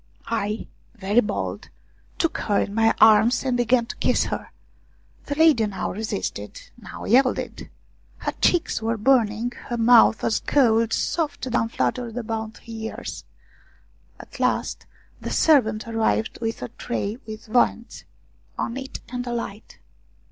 I, very bold, took her in my arms and began to kiss her. The lady now resisted, now yielded ; her cheeks were burning, her mouth was cold, soft down fluttered about her ears. At last the servant arrived with a tray with viands on it, and a light.